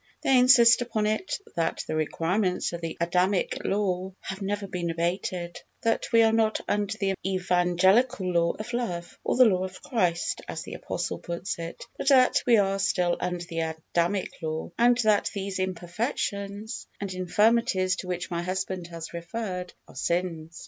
They insist upon it that the requirements of the Adamic law have never been abated; that we are not under the evangelical law of love, or the law of Christ, as the Apostle puts it, but that we are still under the Adamic law, and that these imperfections and infirmities, to which my husband has referred, are sins.